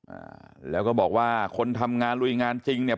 อ่าแล้วก็บอกว่าคนทำงานลุยงานจริงเนี่ย